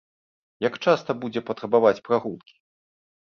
Як часта будзе патрабаваць прагулкі?